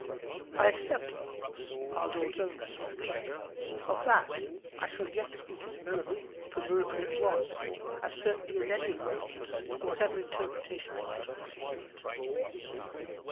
I except of course our Lord's own resurrection. Of that I shall yet speak as a miracle, for miracle it was, as certainly as any of our Lord's, whatever interpretation be put upon the word.